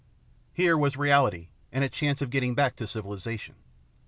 Here was reality and a chance of getting back to civilisation.